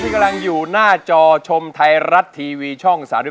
กำลังอยู่หน้าจอชมไทยรัฐทีวีช่อง๓๒